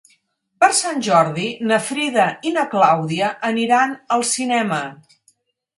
Per Sant Jordi na Frida i na Clàudia aniran al cinema.